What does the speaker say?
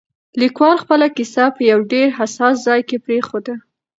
لیکوال خپله کیسه په یو ډېر حساس ځای کې پرېښوده.